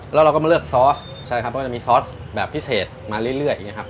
แล้วเราก็มาเลือกซอสใช่ครับเพราะมันจะมีซอสแบบพิเศษมาเรื่อยอย่างนี้ครับ